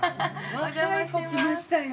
若い子来ましたよ。